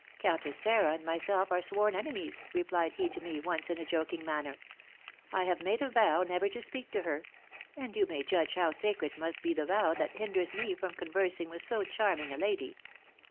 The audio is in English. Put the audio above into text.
'Countess Sarah and myself are sworn enemies,' replied he to me once in a joking manner; 'I have made a vow never to speak to her; and you may judge how sacred must be the vow that hinders me from conversing with so charming a lady.'